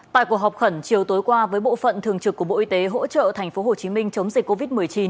tại cuộc họp khẩn chiều tối qua với bộ phận thường trực của bộ y tế hỗ trợ thành phố hồ chí minh chống dịch covid một mươi chín